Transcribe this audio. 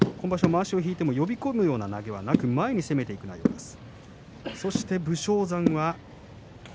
まわしを引いても呼び込むような相撲はなく前に攻めていく相撲です。